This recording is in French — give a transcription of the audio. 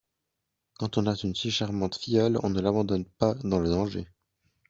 Quand on a une si charmante filleule, on ne l'abandonne pas dans le danger.